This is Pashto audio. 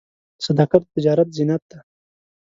صداقت د تجارت زینت دی.